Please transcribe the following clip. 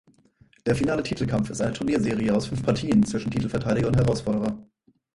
Der finale Titelkampf ist eine Turnierserie aus fünf Partien, zwischen Titelverteidiger und Herausforderer.